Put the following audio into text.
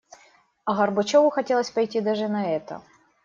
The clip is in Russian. А Горбачёву хотелось пойти даже на это.